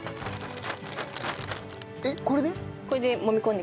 えっこれで？